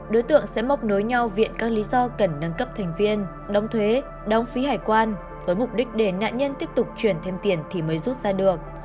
đối tượng sẽ móc nối nhau viện các lý do cần nâng cấp thành viên đóng thuế đóng phí hải quan với mục đích để nạn nhân tiếp tục chuyển thêm tiền thì mới rút ra được